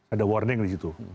ada warning di situ